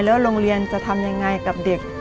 แล้วโรงเรียนจะทำยังไงกับเด็ก